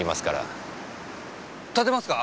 立てますか？